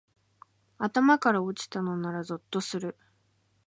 頭から落ちたのならゾッとする